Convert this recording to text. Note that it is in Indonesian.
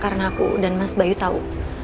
karena aku dan mas bayu tau